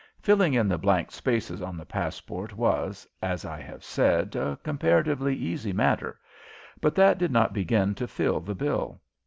Filling in the blank spaces on the passport was, as I have said, a comparatively easy matter, but that did not begin to fill the bill.